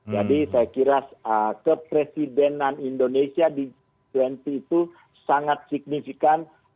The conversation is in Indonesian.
jadi saya kira kepresidenan indonesia di g dua puluh itu sangat signifikan